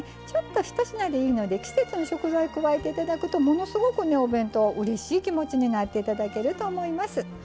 ちょっと１品でいいので季節の食材加えて頂くとものすごくねお弁当うれしい気持ちになって頂けると思います。